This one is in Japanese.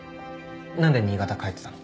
何で新潟帰ってたの？